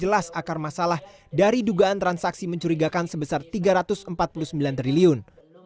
jelas akar masalah dari dugaan transaksi mencurigakan sebesar rp tiga ratus empat puluh sembilan triliun